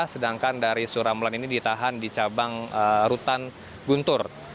sedangkan dari suramlan ini ditahan di cabang rutan guntur